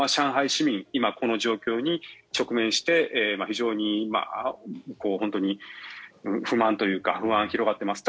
市民は今この状況に直面して非常に本当に不満というか不安が広がっています。